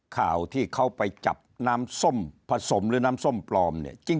ข่าวที่เขาไปจับน้ำส้มผสมหรือน้ำส้มปลอมเนี่ย